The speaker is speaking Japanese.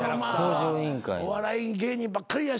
お笑い芸人ばっかりやしな。